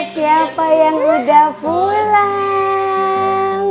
siapa yang udah pulang